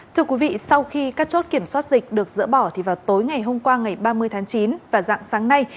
thưa quý vị sau khi các chốt kiểm soát dịch được dỡ bỏ thì vào tối ngày hôm qua ngày ba mươi tháng chín và dạng sáng nay